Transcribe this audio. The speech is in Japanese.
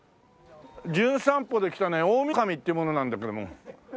『じゅん散歩』で来たね大御神っていう者なんだけども。